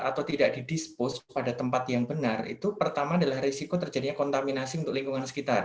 atau tidak di dispose pada tempat yang benar itu pertama adalah risiko terjadinya kontaminasi untuk lingkungan sekitar